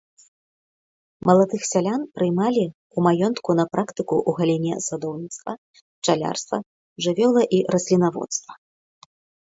Маладых сялян прымалі ў маёнтку на практыку ў галіне садоўніцтва, пчалярства, жывёла- і раслінаводства.